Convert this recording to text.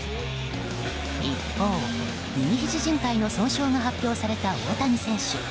一方、右ひじじん帯の損傷が発表された大谷選手。